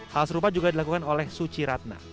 hal serupa juga dilakukan oleh suci ratna